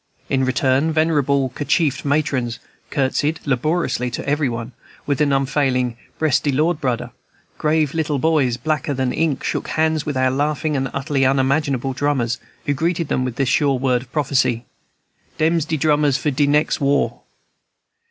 In return, venerable, kerchiefed matrons courtesied laboriously to every one, with an unfailing "Bress de Lord, budder." Grave little boys, blacker than ink, shook hands with our laughing and utterly unmanageable drummers, who greeted them with this sure word of prophecy, "Dem's de drummers for de nex' war!"